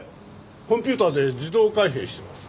コンピューターで自動開閉してます。